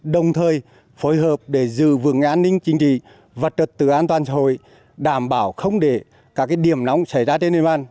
đồng thời phối hợp để giữ vững an ninh chính trị và trật tự an toàn xã hội đảm bảo không để các điểm nóng xảy ra trên địa bàn